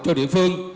cho địa phương